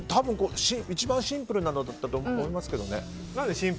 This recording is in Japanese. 一番シンプルなのだったと思いますけどね。